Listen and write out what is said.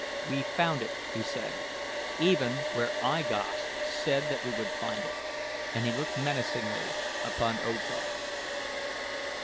"We found it," he said, "even where I Gos said that we would find it," and he looked menacingly upon O Tar.